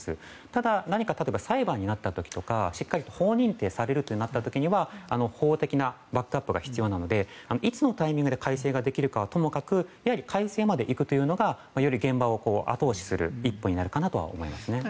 ただ、裁判になった時とかしっかりと法認定されることになった時には法的なバックアップが必要なのでいつのタイミングで改正ができるかはともかくやはり改正まで行くというのがより現場を後押しする一歩になるかなと思います。